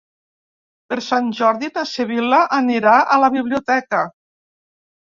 Per Sant Jordi na Sibil·la anirà a la biblioteca.